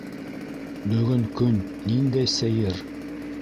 — Бөгөн көн ниндәй сәйер!